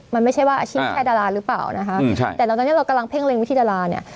มันไม่ใช่ว่าอาชีพแค่ดาราหรือเปล่านะคะใช่แต่เราตอนนี้เรากำลังเพ่งเล็งวิธีดาราเนี่ย